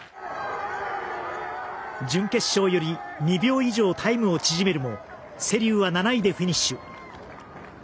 準決勝より２秒以上、タイムを縮めるも瀬立は７位でフィニッシュ。